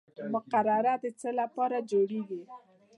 مقرره د څه لپاره جوړیږي؟